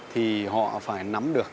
thì họ phải nắm được